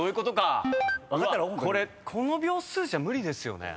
これこの秒数じゃ無理ですよね。